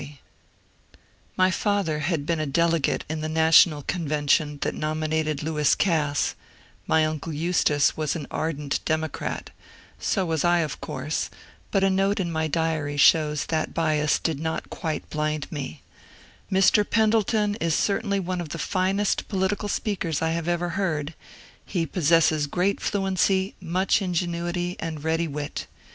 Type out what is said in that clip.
58 MONCURE DANIEL CONWAY My father had been a delegate in the national convention that nominated Lewis Cass ; my nncle Eustace was an ardent Democrat ; so was I of course ; but a note in my diary shows that bias did not quite blind me: ^^Mr. Pendleton is cer tainly one of the finest political speakers I have ever heard, — he possesses great fluency, much ingenuity, and ready wit.